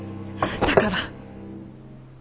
だから！